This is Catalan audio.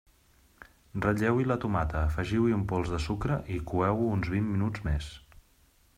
Ratlleu-hi la tomata, afegiu-hi un pols de sucre i coeu-ho uns vint minuts més.